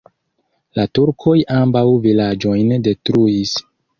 La turkoj ambaŭ vilaĝojn detruis.